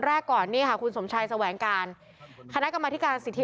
แรกก่อนนี่ค่ะคุณสมชัยแสวงการคณะกรรมธิการสิทธิ